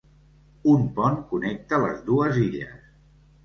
Un pont connecta les dues illes.